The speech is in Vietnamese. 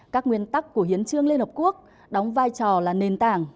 các nguyên tắc của hiến trương liên hợp quốc đóng vai trò là nền tảng